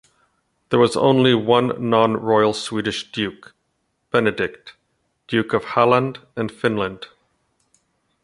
There was only one non-royal Swedish duke, Benedict, Duke of Halland and Finland.